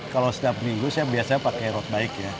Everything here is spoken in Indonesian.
kalau setiap minggu saya biasanya pakai road bike ya